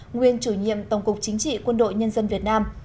nguyên chủ nhiệm tổng cục chính trị quân đội nhân dân việt nam